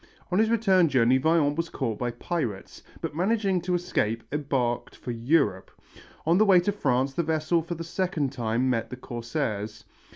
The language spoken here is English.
On his return journey Vaillant was caught by pirates, but managing to escape embarked for Europe. On the way to France the vessel for the second time met the corsairs.